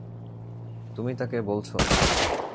তুমিই তাকে বলছো?